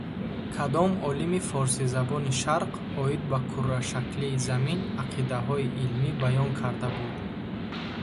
Кадом олими форсизабони Шарқ оид ба курашаклии Замин ақидаҳои илмӣ баён карда буд?